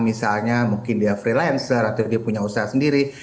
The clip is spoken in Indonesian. misalnya mungkin dia freelancer atau dia punya usaha sendiri